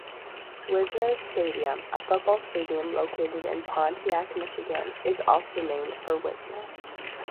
Wisner Stadium, a football stadium located in Pontiac, Michigan, is also named for Wisner.